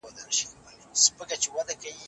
اوسېدله له پخوا په یوه ښار کي